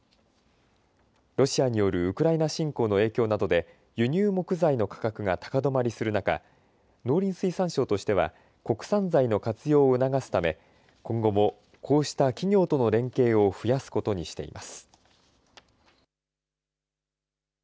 ロシアによるウクライナ侵攻の影響などで輸入木材の価格が高止まりする中、農林水産省としては国産材の活用を促すため今後もこうした企業との連携を増やすことにしています。